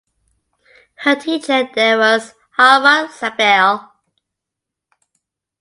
Her teacher there was Hartmut Zabel.